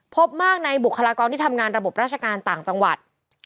พบมากในบุคลากรที่ทำงานระบบราชการต่างจังหวัด